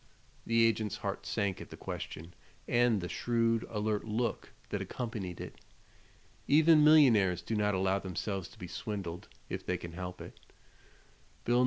The agent's heart sank at the question and the shrewd, alert look that accompanied it. Even millionaires do not allow themselves to be swindled, if they can help it. Bill No.